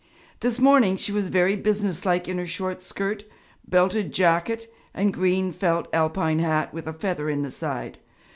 This morning she was very business like in her short skirt, belted jacket, and green felt Alpine hat with a feather in the side.